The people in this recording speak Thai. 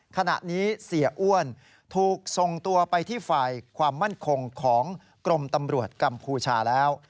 ขณะนี้เสียอ้วนถูกส่งตัวไปที่ฝ่ายความมั่นคงของกรมตำรวจกัมพูชาแล้ว